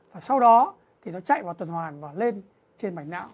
và sau đó thì nó chạy vào tuần hoàn và lên trên mảnh não